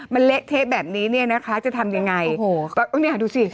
มันเละเทะแบบนี้เนี่ยนะคะจะทำยังไงโอ้โหเนี่ยดูสิ